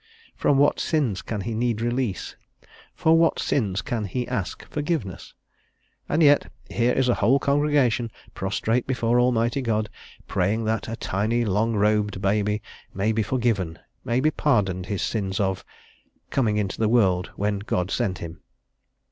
from what sins can he need release? for what sins can he ask forgiveness? And yet, here is a whole congregation prostrate before Almighty God, praying that a tiny long robed baby may be forgiven, may be pardoned his sins of coming into the world when God sent him!